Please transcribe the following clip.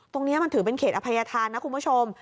ตรงนี้มันถือเป็นเขตอภัยธานนะคุณผู้ชม